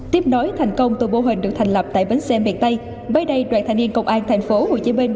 tiếp đối thành công từ mô hình được thành lập tại bến xe miền tây bới đây đoàn thanh niên công an thành phố hồ chí minh